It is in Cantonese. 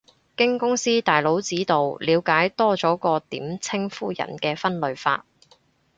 經公司大佬指導，了解多咗個點稱呼人嘅分類法